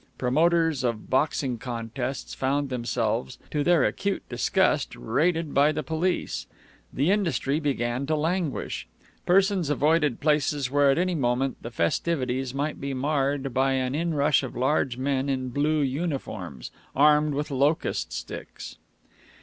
Promoters of boxing contests found themselves, to their acute disgust, raided by the police. The industry began to languish. Persons avoided places where at any moment the festivities might be marred by an inrush of large men in blue uniforms, armed with locust sticks.